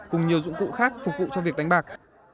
cùng nhiều dụng cụ khác phục vụ cho việc đánh bạc